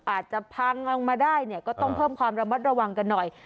อาจจะพังลงมาได้เนี่ยก็ต้องเพิ่มความระมัดระวังกันหน่อย